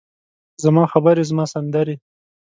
زما خبرې، زما سندرې،